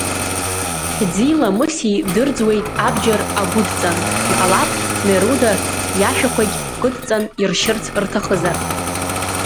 Хьӡи-ламыси дырӡуеит абџьар агәыдҵан, иҟалап, Неруда иашәақәагь кыдҵан иршьырц рҭахызар!